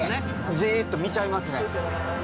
◆じっと見ちゃいますね。